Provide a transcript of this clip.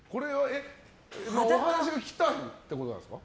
お話が来たってことですか？